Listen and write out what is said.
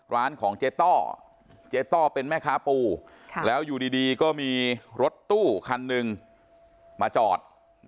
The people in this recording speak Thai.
ร้านของเจ๊ต้อเจ๊ต้อเป็นแม่ค้าปูแล้วอยู่ดีก็มีรถตู้คันหนึ่งมาจอด